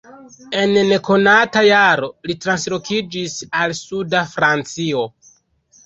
En nekonata jaro li translokiĝis al suda Francio.